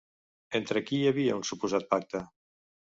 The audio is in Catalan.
Entre qui hi havia un suposat pacte?